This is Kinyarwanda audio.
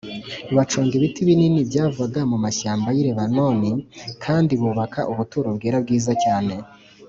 baconga ibiti binini byavaga mu mashyamba y’i lebanoni kandi bubaka ubuturo bwera bwiza cyane.